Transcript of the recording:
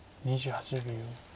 ２８秒。